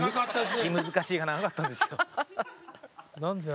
気難しいが長かったんですよ。